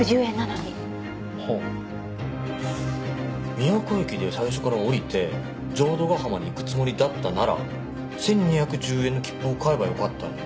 宮古駅で最初から降りて浄土ヶ浜に行くつもりだったなら１２１０円の切符を買えばよかったのに。